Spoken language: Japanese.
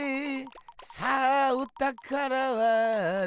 さあおたからはどこだ？